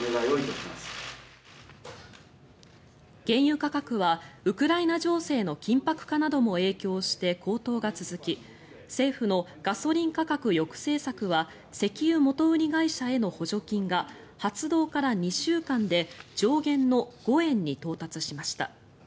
原油価格はウクライナ情勢の緊迫化なども影響して高騰が続き政府のガソリン価格抑制策は石油元売り会社への補助金が発動から２週間で上限の５円に到達しました。